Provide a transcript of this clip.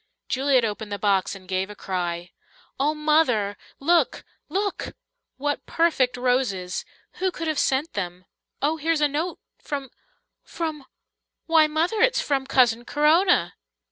Juliet opened the box and gave a cry. "Oh, Mother, look look! What perfect roses! Who could have sent them? Oh, here's a note from from why, Mother, it's from Cousin Corona."